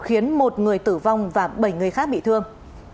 khiến một người tử vong và bảy người khác bị thương